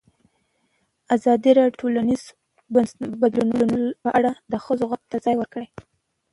ازادي راډیو د ټولنیز بدلون په اړه د ښځو غږ ته ځای ورکړی.